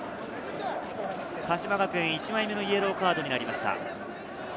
鹿島学園、１枚目のイエローカードになりました。